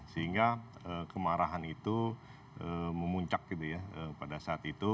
sehingga kemarahan itu memuncak gitu ya pada saat itu